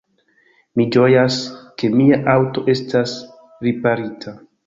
Mi ĝojas, ke mia aŭto estas riparita.